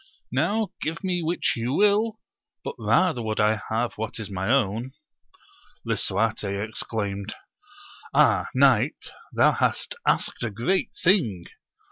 now give me which you will, but rather would I have what is my own. Lisuarte exclaimed. Ah, knight, thou hast asked a great thing